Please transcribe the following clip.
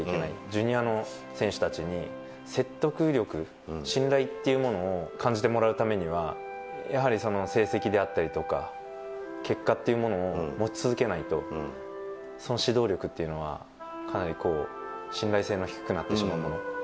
ジュニアの選手たちに説得力、信頼っていうものを感じてもらうためには、やはり成績であったりとか、結果っていうものを持ち続けないと、その指導力というのは、かなり信頼性の低くなってしまうもの。